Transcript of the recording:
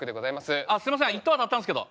あっすいません１等当たったんですけど。